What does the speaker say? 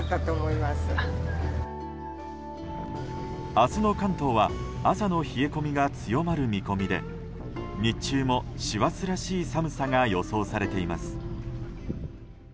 明日の関東は朝の冷え込みが強まる見込みで日中も師走らしい寒さが予想されています。